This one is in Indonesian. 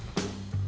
keluar dari pasar